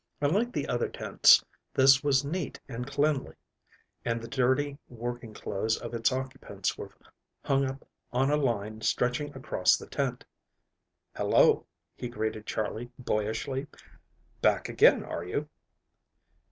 Unlike the other tents, this was neat and cleanly, and the dirty working clothes of its occupants were hung up on a line stretching across the tent. "Hello," he greeted Charley boyishly. "Back again are you?"